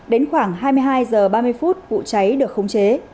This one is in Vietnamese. đến khoảng hai mươi hai h ba mươi phút vụ cháy được khống chế